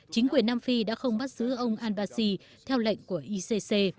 chính quyền nam phi đã không bắt giữ ông al basi theo lệnh của icc